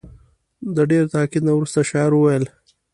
د ډېر تاکید نه وروسته شاعر وویل.